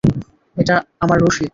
এই আমার রসিদ।